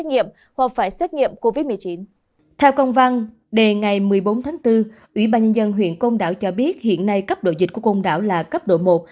theo công văn đề ngày một mươi bốn tháng bốn ủy ban nhân dân huyện côn đảo cho biết hiện nay cấp độ dịch của côn đảo là cấp độ một